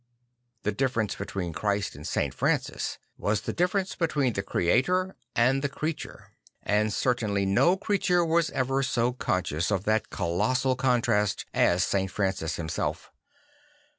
The difference between Christ and St. Francis was the differ ence between the Creator and the creature; 133 134 St. Francis of ASJiJi and certainly no creature was ever so con scious of that colossal contrast as St. Francis himself.